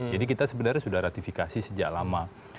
jadi kita sebenarnya sudah ratifikasi sejak lama